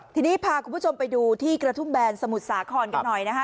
ทีนี้พาคุณผู้ชมไปดูที่กระทุ่มแบนสมุทรสาครกันหน่อยนะฮะ